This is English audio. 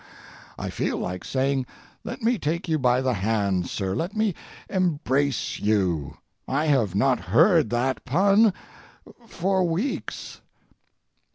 I feel like saying: "Let me take you by the hand, sir; let me embrace you; I have not heard that pun for weeks."